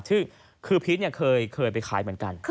ซึ่งลูกค้าเคยไปขายเหมือนกัน